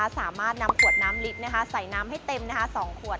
สามารถนำขวดน้ำลิตรใส่น้ำให้เต็ม๒ขวด